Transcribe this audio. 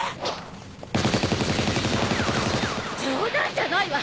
冗談じゃないわ！